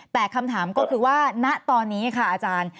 แต่คำถามก็คือว่าณตอนนี้ค่ะอาจารย์